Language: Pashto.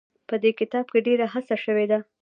په دې کتاب کې ډېره هڅه شوې ده.